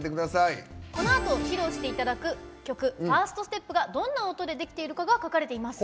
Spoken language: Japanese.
このあと披露していただく曲「ｆｉｒｓｔｓｔｅｐ」がどんな音でできているかが書かれています。